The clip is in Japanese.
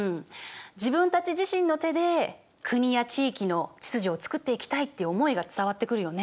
自分たち自身の手で国や地域の秩序をつくっていきたいっていう思いが伝わってくるよね。